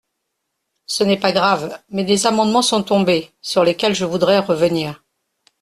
Ce n’est pas grave, mais des amendements sont tombés, sur lesquels je voudrais revenir.